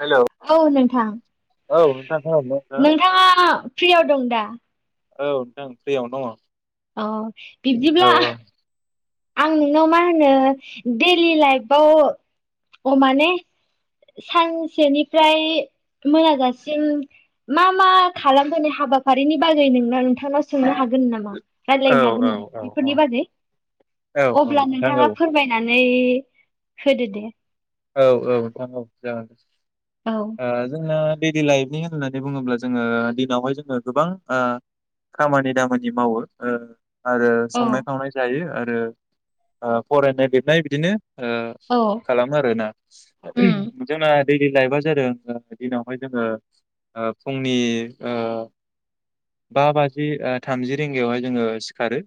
Hello औ नोंथां औ नोंथां खोनादोंना नोंथाङा फ्रियाव दं दा? औ नोंथां फ्रियावनो दङ औ औ बिब्दिब्ला औ आं नोंनाव मा होनो दैलि लाइफआव माने सानसेनिफ्राय मोनाजासिम मा मा खालामबोनाय हाबाफारिनि बागै नोंनाव नोंथांनाव सोंनो हागोन नामा? औ राय्लायनो हागोन नामा औ औ बेफोरनि बागै औ औ अब्ला नोंथां औ नोंथाङा फोरमायनान बे होदो दे। औ औ नंगौ जागोन दे। औ ओयो जोंना। थेडि लाइफनि होननानै बुङोब्ला जोङो दिनावहाय जोङो गोबां ओयो खामानि दामानि मावो ओयो। आरो औ संनाय खावनाय जायो ओ। दोन ओयो फरायनाय लिरनाय बिदिनो। ओयो औ खालाम। आरोना उम उहुम जोंना दैलि लाइफा जादों ओ दिनावहाय जोङो ओयो फुंनि ओयो बा बाजि ओ थामजि रिंगायावहाय जोङो सिखारो।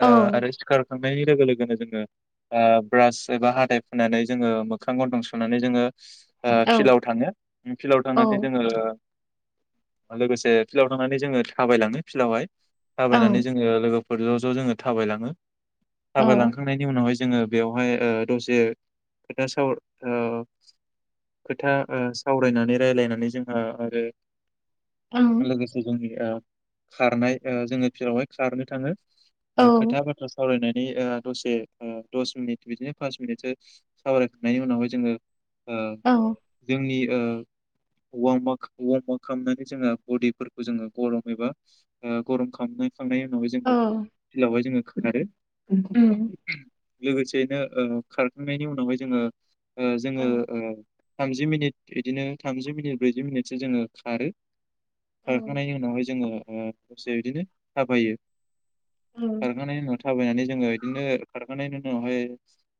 औ ओं आरो सिखार थांनाय लोगो लोगोनो जोङो आया ब्रास एबा हादाय फुनानै जो जोङो मोखां गन्थं सुनानै जोङो। ओयो औ फिलाव थाङो फिलाव औ थांनानै जोङो लोगोसे फिल्डाव थांनानै जोङो थाबायलाङो फिल्डावहाय। थाबायनानै ओं जोङो लोगोफ फोर ज' ज' जोङो थाबायलाङो। औ थाबायलांखांनायनि उनावहायजो जोङो बेयावहाय ओ दसे। खोथा साव ओयो खोथा ओ सावरायनानै राय्लायनानै जोंहा आरो ओं लोगोसे जोंनि या खारनाय ओयो जोङो फिलावहाय खारनो थाङो। औ ओ खोथा बाथ्रा सावरायनाय। बि ओ दसे उम दस मिनिट बिदिनो फास मिनिटसो। सावरायखांनायनि उनावहाय जोङो। ओयो औ जोंनि [unintelligible] खांनायनि उनावाय औ जोङो फिलावहाय जोङो खो नारो। उम। लोगोसेयैनो ओ खार खांनायनि उनावहाय जोङो। ओयो औ जोङो ओयो। थामजि मिनिट बिदिनो थामजि मिनिट ब्रैजि मिनिटसो जोङो खारो। औ खारखांनायनि उनावहाय जोङो ओ दसे बिदिनो थाबायो। औ खारखांनाय उनाव थाबायनानै जोङो बिदिनो खारखानाय उनावहाय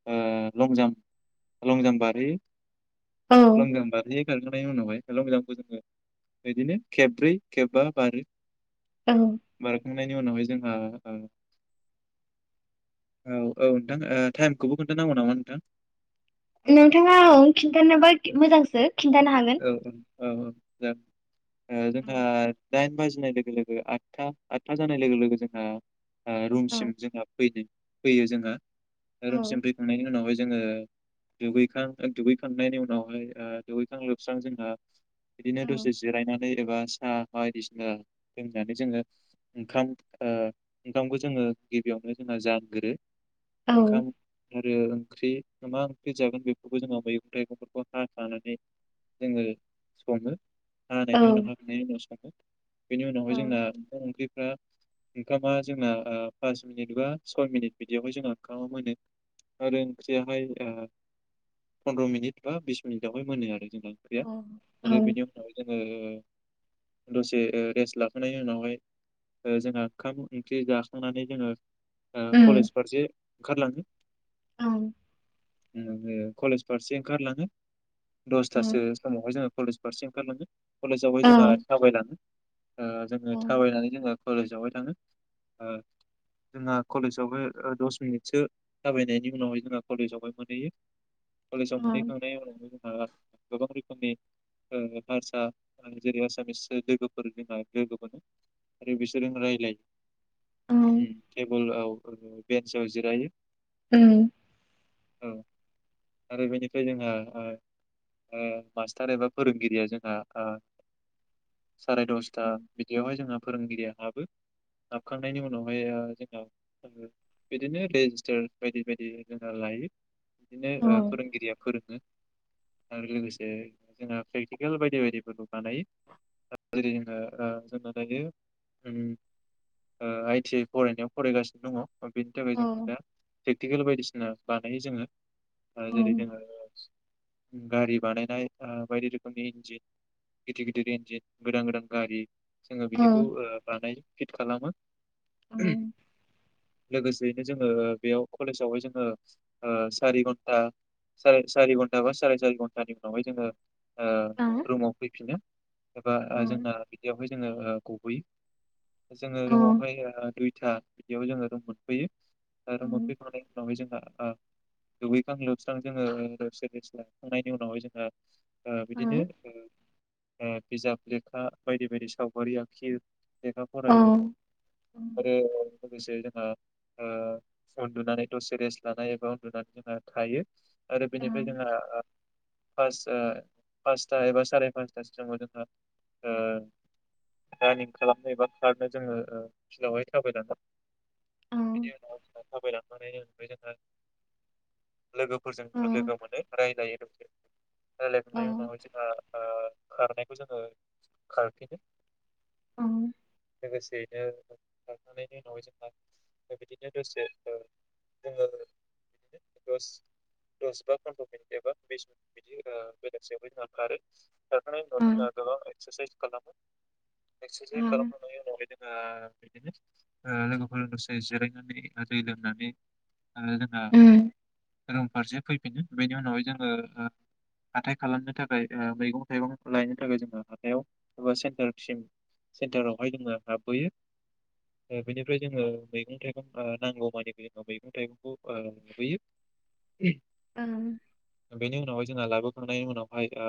ओ लं जाम्प लं जाम्प बारि औ लं जाम्प बारि सेरखांनायनि उनावहाय हल' मोजांखौ जोङो बिदिनो खेबब्रै खेबबा बारो। औ। नायनि उनावहाय जोंहा औ औ नोंथां टाइमखौबो खोन्थानांगौ नामा न थां? नोंथाङा ओं खिन्थानोबा मोजांसो खिन्थानो हागोन औ औ औ औ। जा ओ औ जोंहा दाइन बाजिनाय लोगो लोगो आदथा आदथा जानाय लोगो लोगो जोंहा ओ औ रुमसिम जोंहा फैदों। फैयो जोङो। रुमसिम औ फैखांनायनि उनावहाय जोङो दैगैखां-दुैखांनायनि उनावहाय ओ दुगैखां लोबखां स्रां जोंहा बिदिनो औ दसे जिरायना नै एबा साहा बायदिसिना लोंनानै जोङो ओंखाम-ओंखामखौ जोङो गिबियावनो जोंहा जानगोरो। औ ओंखाम आरो ओंख्रि मा ओंख्रि जागोन बेफोरखौ जोङो मैगं थाइगंफोरखौ हाखानानै जोङो सङो औ हानायनि उनावहा हाखांनायनि उनाव सङो। बेनि औ उनावहाय जोंना ओंखाम ओंख्रि फ्रा ओंखामा जोंना ओ पास मिनिट बा सय मिनिट बिदियावहाय जोंना ओंखामा मोनो आरो ओंख्रियाहाय ओ फनद्र' मिनिट बा बिस मिनिटावहाय मोनो आरो। जोंना ओंख्रिया औ आरो बेनि उनाव जों ओ दसे ओ रेस्ट लाखांनि उनावहाय ओ जोंहा खाम इंख्रि जाखांनानै जोङो ओ उम कलेज फारसे ओंखारलाङो। ओं उनाव जोङो कलेज फारसे ओंखारलाङो दस थासो उम समावहाय जोङो कलेज फारसे ओंखारलाङो। औ कलेजावहाय जोंहा थाबायलाङो। ओ जोङो थाबायनानै जोङो कलेजावहाय थाङो ओ जोंहा कलेजावहाय दस मिनिटसो थाबायनायनि उनावहाय जोंहा कलेजावहाय मोनहैयो। कलेजाव ओं मोनहैखांनाय उनाव [unintelligible] गोबां रोखोमनि ओ भारसा रायलायो जेरै आसामिस लोगोफोर जोंहा लोगो मोनो आरो बिसोरजों रायलायो। ओं उम टेबुलाव बेन्साव जिरायो। उम औ आरो बेनिफ्राय जोंहा ओ ओ मास्टार एबा फोरोंगिरिया जोंहा ओ सारायदसथा बिदियावहाय जोंहा फोरोंगिरिया हाबो हाबखांनायनि उनावहाय ओ जोंना बिदिनो रेजिस्टार बायदि-बायदि जोंना लायो बिदिनो औ ओ फोरोंगिरिया फोरोङो। आरो लोगोसे जोंहा प्रेकटिकेल बायदि बायदिफोरखौ बानायो जेरै जोङो ओ जोंना दायो उम ओ आइ टि आइ फरायनायाव फरायगासिनो दङ। बेनि थाखाय जों औ दा पेकटिकेल बायदिसि ङो बानायो जोङो। ओ जेरै ओं जोङो ओ गारि बानायनाय ओ बायदि रोखोमनि इन्जिन गिदिर-गिदिर इन्जिन गोदान-गोदान गारि जोङो बिदिखौ ओ बानाय फिद खालामो औ लोगोसेयैनो जोङो बेयाव कलेजावहाय जोङो ओ सारि घन्टा सार सारि घन्टा बा सार देर घन्टानि उनावहाय जोङो। ओ रुमाव फैफिनो। एबा ओ ओं जोंना बिदियावहाय जोङो ओ। गबोयो। जोङो ओं रुमावहाय ओ दुइ था बिदियाव जोङो रुम मोनफैयो। ओ रुम मोनफैखांनायनि उनावहाय जोंहा ओ दुगैस्रां लोबस्रां ओ जोङो दसे रेस ला खांनायनि उनावहाय जोङो। औ बिदिनो ओ ओ बिजाब लेखा बायदि-बायदि सावगारि आखियो। लेखा फरायो ओं ओं आरो लोगोसे जोंहा ओ उन्दुनानै दसे रेस लानाय एबा उन्दुनानै जोंहा थायो। आरो बेनिफ्राय जोंहा ओ फास ओ पासथा एबा साराय पासता समाव जोंहा ओ रानिं खालामनो एबा खारनो जोङो ओ फिल्डआवहाय थाबायलाङो, ओं बेनि उनाव जोङो थाबायलांनानै ओमफ्राय जोंहा लोगोफोरजों लोगो मोनो, रायज्लायो। रायलायखांनायनि ओं उनावहाय जोंहा ओ खारनायखौ जोङो खारफिनो। ओं दसेयैनो थांखांनायनि उनावहाय जोंहा बिबादिनो दसे ओ जोङो बिदिनो दस दस बा फन्द्र' मिनिट एबा बिस बिदि ओ बेलासियाव जोंहा खारो। खारखांनायनि ओं उनाव जोंहा गोबां एक्सारसाइस खालामो। एक्सारसाइस ओं खालामखांनायनि उनावहाय जोङो बिदिनो ओ लोगोफोरजों दसे जिरायनानै [unintelligible] आरो जोंना ओं रुम फारसे फैफिनो बेनि उनावहाय जों ओ ओ हाथाइ खालामनो थाखाय ओ मैगं थाइगं लायनो थाखाय जोङो हाथाइयाव एबा सेन्टारसिम सेन्टारावहाय जोङो हाबबोयो ओ बेनिफ्राय जोङो मैगं थाइगं ओ नांगौमानि [inaudible] मैगं-थाइगं खौ ओ लाबोयो। ओं बेनि उनावहाय जोंहा लाबोखांनायनि उनावहाय ओ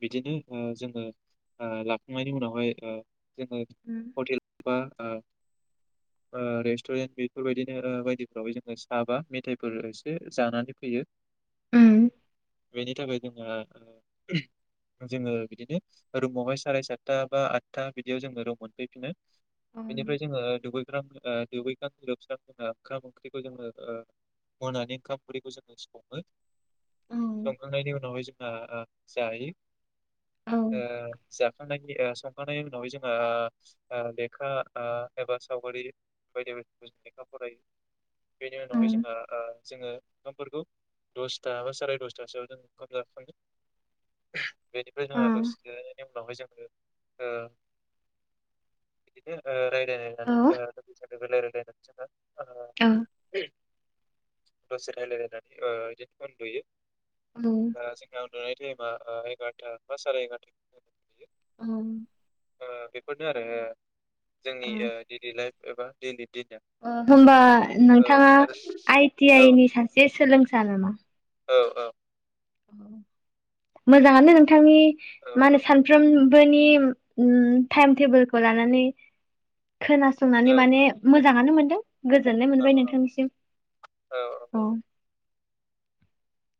बिदिनो ओ जोङो ओ लाखांनायनि उनावहाय ओ जोङो हटेल बा ओ ओ रेस्टुरेन्ट बेफोरबायदिनो बायदिफोराव जोङो साहा बा मेथाइफोर एसे जानानै फैयो। उम बिनि थाखाय जोङो ओ जोङो बिदिनो रुमावहाय साराय सातथा बा आठथा बिदियाव जोङो रुम मोनफैफिनो। बेनिफ्राय जोङो दुगैस्रां ओ दुगैस्रां लोबस्रां जोंङो ओंखाम ओंख्रिखौ जोङो ओ मोनानि ओंखाम ओंख्रिखौ जोङो सङो। संखांनायनि उनावहाय जों आ आ जायो। ओ जाखांनायनि ओ संखानायनि उनावहाय जोंङो ओ लेखा ओ एबा सावगारि बायदि बायदिनि लेखा फरायो, बेनि उनावहाय जोंहा ओ जोङो ओंखामफोरखौ दस था बा साराय दसथासोआव जों ओंखाम जाखाङो। बेनिफ्राय जों दसे जिरायनायनि उनावहाय जोङो ओ बिदिनो ओ रायलाय रायलायनानै [inaudible] [inaudible] आ दसे रायलाय लायनानै ओ इदिनो उन्दुयो। दा जोंना उन्दुनाय टाइमा ओ एगारथा बा साराय एगारथा औ मोनो आरो जोंनि उम दैलि लाइफ एबा दैलि दिना ओ होनबा ओ नोंथाङा आरो आइटि औ आइ नि सासे सोलोंसा नामा? औ औ। अ मोजाङानो नोंथांनि औ मा औ होनो सानफ्रोम बेनि उम थाइम थेबोलखौ लानानै खोनासंनानै माने मोजाङानो मोन दो गोजोननाय औ मोनबाय नोंथांनिसिम औ।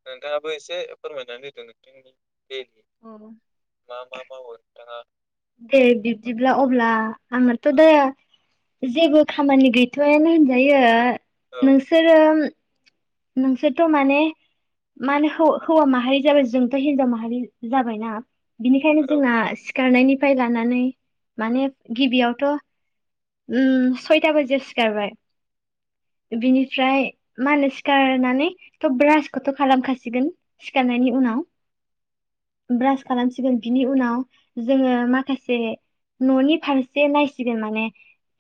नोंथाङाबो एसे फोरमायनानै होदो नोंथांनि देलि औ मा मा मावो नोंथाङा? दे मा बिब्दिब्ला मा अब्ला आंनाथ' औ दा जेबो खामानि गैथ'वानो होनजायो औ नोंसोरो नोंसोरथ' माने मा नो हौ हौवा माहारि जाबाय जोंथ' हिनजाव माहारि जाबायना बिनिखायनो औ जोंना सिखारनायनिफ्राय लानानै माने गिबियावथ' उम सयथा बाजियाव सिखारबाय बिनिफ्राय मा होनो सिखारनानै थ' ब्रासखोथ' खालामखासिगोन सिखारनायनि उनाव ब्रास खालामसिगोन बिनि उनाव जोङो माखासे न'नि फारसे नायसिगोन माने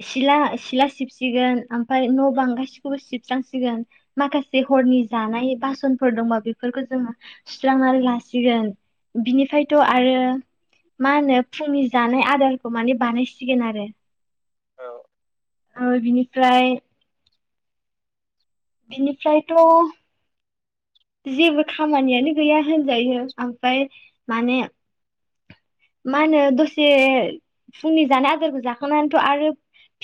सिला सिला सिबसिगोन आं ओमफाय न' औ बां गासिखौबो सिब सुस्रांसिगोन माखासे हरनि जानाय बासनफोर दंबा बेफोरखौ जोङो सुस्रांनानै लासिगोन‌। बिनिफ्रायथ' आरो मा होनो फुंनि जानाय आदारखौ माने बानायसिगोन आरो औ आ बिनिफ्राय बिनिफ्रायथ' जेबो खामानियानो गैया होनजायो ओमफ्राय माने मा होनो दसे फुंनि जानाय आदारखौ जाखांनानैथ' आरो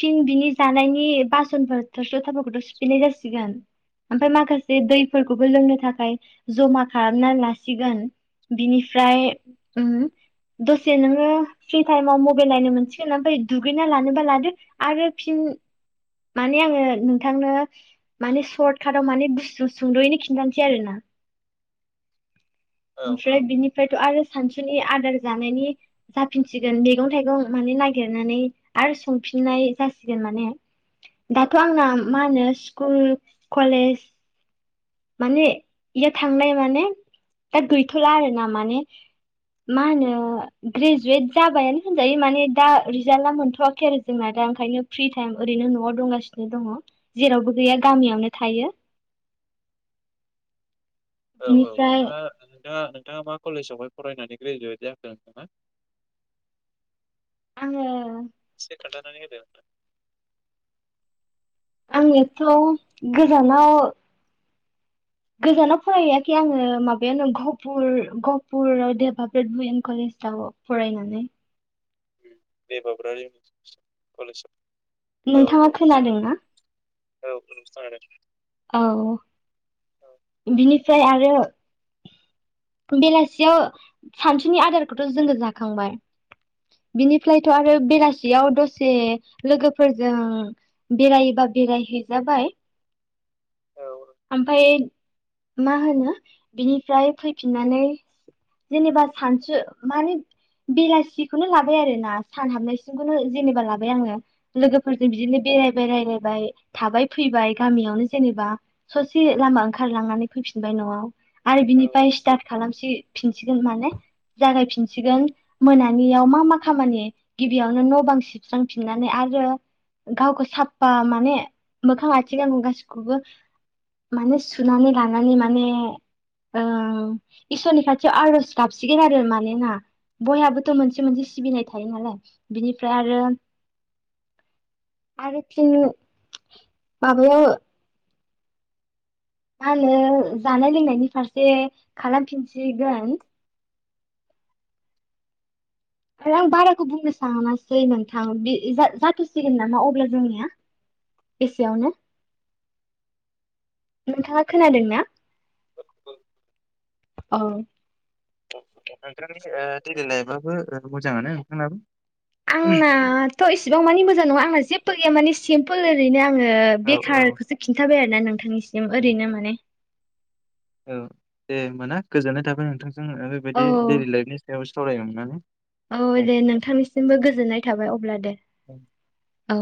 फिन बिनि जानायनि बासनफोर थोरसि लथाफोरखौथ' सुफिननाय जासिगोन। ओमफाय माखासे दैफोरखौबो लोंनो थाखाय जमा खालामना लासिगोन बिनिफ्राय उम दसे नोङो फ्रि थाइमाव मबाइल नायनो मोनसिगोन ओमफ्राय दुगैना लानोबा लादो आरो फिन माने आङो नोंथांनो माने सर्ट कार्टआव माने गुसु सुंद'यैनो खिन्थानोसै आरो ना। औ ओमफ्राय औ बिनिफ्रायथ' आरो सानसुनि आदार जानायनि जाफिनसिगोन मैगं थाइगं माने नागिरनानै आरो संफिननाय जासिगोन माने औ दाथ' आंना मा होनो स्कुल कलेज माने इयो थांनाय माने दा गैथ'ला आरो ना माने मा होनो ग्रेजुवेट जाबायानो होनजायो माने दा रिजाल्टआ मोनथ'वाखै आरो जोंना दा ओंखायनो फ्रि थाइम ओरैनो न'आव दंगासिनो दङ' जेरावबो गैया गामियावनो थायो। औ औ बिनिफ्राय नोंथाङा नोंथाङा नोंथाङा मा कलेजावहाय फरायनानै ग्रेजुवेट जाखो नोंथाङा आङो एसे खोन्थानानै होदो। आङोथ' गोजानाव गोजानाव फरायहैयाखै आङो माबायावनो घहपुर गहपुर देभाब्रेद [unintelligible] कलेजाव फरायनानै बे [unintelligible] कलेजाव। औ नोंथाङा औ मोजाङानो खोनादोंना? औ खोनादों। औ बिनिफ्राय आरो बेलासियाव सानसुनि आदारखौथ' जोङो जाखांबाय बिनिफ्रायथ' आरो बेलासियाव दसे लोगोफोरजों बेरायोबा बेरायहैजाबाय। औ ओमफाय मा होनो बिनिफ्राय फैफिननानै जेनेबा सानसु माने बेलासिखौनो लाबाय आरोना सान हाबनायसिमखौनो जेनेबा लाबाय आङो लोगोफोरजों बिदिनो बेरायबाय रायलायबाय थाबाय फैबाय गामियावनो जेनेबा ससे लामा ओंखारलांनानै फैफिनबाय न'आव। आरो औ बिनिफ्राय स्टार्ट खालामस सि फिनसिगोन माने जागायफिनसिगोन मोनानियाव मा मा खामानि गिबियावनो न' बां सिबस्रांफिननानै आरो गावखौ साफा माने मोखां आथि गां गासिख खौबो माने सुनानै लानानै माने ओ इसोरनि खाथियाव आर'ज गाबसिगोन आरो मानेना बयहाबोथ' मोनसे मोनसे सिबिनाय थाय थायो नालाय बिनिफ्राय आरो आरो फिन माबायाव आङो जानाय लोंनायनि फारसे खालामफिनसिगोन। फोरा आं बाराखौ बुंनो सानासै नोंथां बे ए जाथ जाथेसिगोन नामा अब्ला जोंनिया एसेयावनो नोंथाङा खोनादों ना? औ अ नोंट्रानि से देइलि लाइफआबो ओ मोजाङानो नोंथांनाबो। आंनाथ' एसेबां मानि मोजां नङा आंना जेबो गैया माने सिम्पोल ओरैनो आं ओङोब औ बेखारखौसो खिन्थाबाय आर ना नोंथांनिस सिम औ ओरैनो माने औ दे होनबा ना गोजोननाय थाबाय नोंथां। जों आरो बेदि औ दैलि लाइफनि सायावसो सावराय नोंथां औ दे नोंथांनिसिमबो गोजोननाय थाबाय अब्ला दे औ। औ